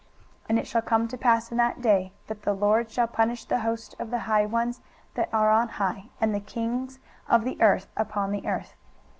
23:024:021 And it shall come to pass in that day, that the LORD shall punish the host of the high ones that are on high, and the kings of the earth upon the earth.